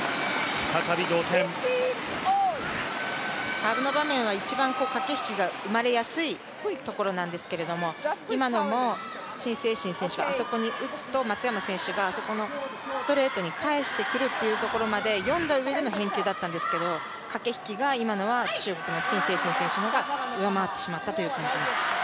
サーブの場面は一番駆け引きが生まれやすいところなんですけれども今のも陳清晨選手はあそこに打つと、松山選手があそこのストレートに返してくるというところまで読んだうえでの返球だったんですが、駆け引きが今のは中国の陳清晨選手の方が上回ってしまったということです。